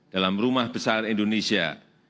dalam rumah besar indonesia